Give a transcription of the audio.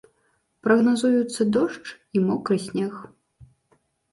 Прагназуюцца дождж і мокры снег.